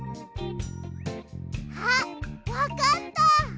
あっわかった！